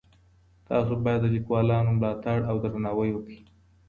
تاسو بايد د ليکوالانو ملاتړ او درناوی وکړئ.